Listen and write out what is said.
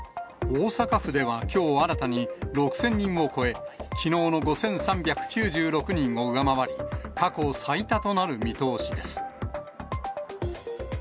大阪府ではきょう、新たに６０００人を超え、きのうの５３９６人を上回り、過去最多となる見通しです。